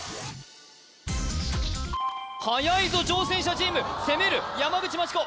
はやいぞ挑戦者チーム攻める山口真知子